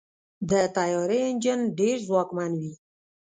د طیارې انجن ډېر ځواکمن وي.